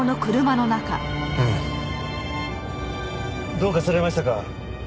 どうかされましたか？